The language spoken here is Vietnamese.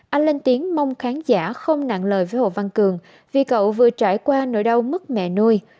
anh lên tiếng mong khán giả không nặng lời với hồ văn cường vì cậu vừa trải qua nỗi đau mất mẹ nuôi